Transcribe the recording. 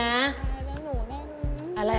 น้าหนูแม่หนู